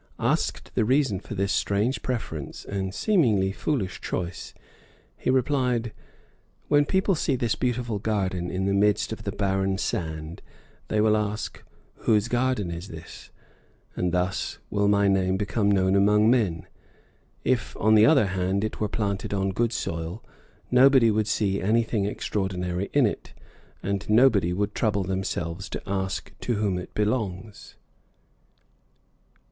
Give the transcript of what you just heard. Asked the reason for this strange preference and seemingly foolish choice, he replied: "When people see this beautiful garden in the midst of the barren sand, they will ask, 'Whose garden is this?' and thus will my name become known among men. If, on the other hand, it were planted on good soil, nobody would see anything extraordinary in it, and nobody would trouble themselves to ask to whom it belongs."